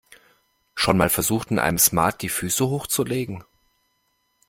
Schon mal versucht, in einem Smart die Füße hochzulegen?